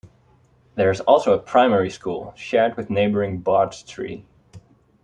There is also a primary school, shared with neighbouring Bartestree.